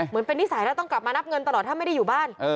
เหมือนเป็นนิสัยแล้วต้องกลับมานับเงินตลอดถ้าไม่ได้อยู่บ้าน